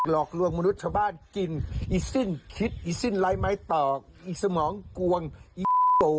โลศลินถูกใจสิ่งนี้